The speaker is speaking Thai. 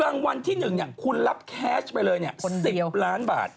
รางวัลที่๑เนี่ยคุณรับแคชไปเลยเนี่ย๑๐ล้านบาท